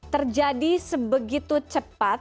terjadi sebegitu cepat